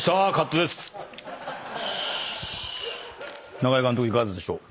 長江監督いかがでしょう？